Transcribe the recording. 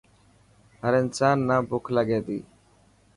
هر انسان نا بک لگي تي.